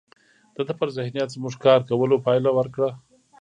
د ده پر ذهنیت زموږ کار کولو پایله ورکړه